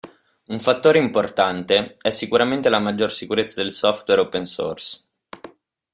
Un fattore importante è sicuramente la maggior sicurezza del software open source.